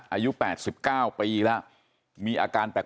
อายุ๘๙ปีแล้วมีอาการแปลก